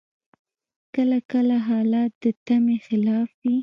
کله کله حالات د تمي خلاف وي.